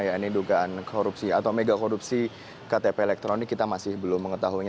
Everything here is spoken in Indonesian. ya ini dugaan korupsi atau mega korupsi ktp elektronik kita masih belum mengetahuinya